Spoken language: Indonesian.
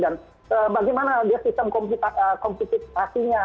dan bagaimana sistem kompositasinya